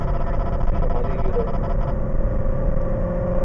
شمالی یورپ